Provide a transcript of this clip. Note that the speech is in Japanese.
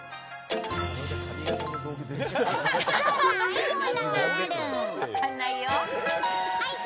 いいものがある。